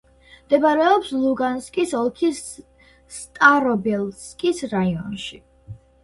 მდებარეობს ლუგანსკის ოლქის სტარობელსკის რაიონში.